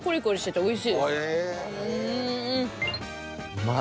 うまい。